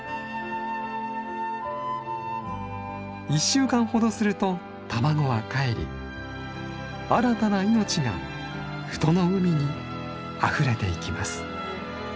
１週間ほどすると卵はかえり新たな命が富戸の海にあふれていきます。